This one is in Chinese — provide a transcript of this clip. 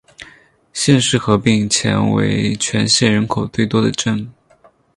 县市合并前为全县人口最多的镇。